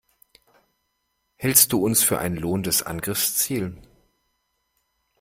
Hältst du uns für ein lohnendes Angriffsziel?